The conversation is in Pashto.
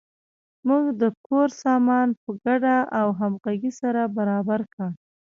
موږ د کور سامان په ګډه او همغږۍ سره برابر کړ.